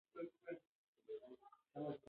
سړک که زوړ وي، مشکلات پیدا کوي.